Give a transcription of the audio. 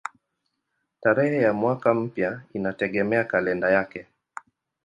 Tarehe ya mwaka mpya inategemea kalenda yake.